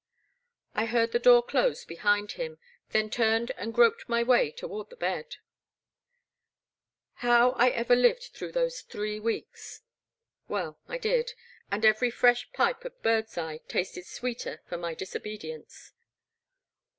'' I heard the door dose behind him, then turned and groped my way toward the bed. *^^0 ^^^^^^^^^^^^^^^*^*^*^% How I ever lived through those three weeks !— Well, I did, and every fresh pipe of Bird's eye tasted sweeter for my disobedience.